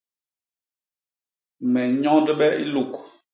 Me nnyondbe i luk.